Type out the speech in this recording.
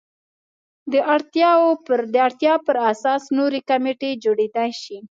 د اړتیا پر اساس نورې کمیټې جوړېدای شي.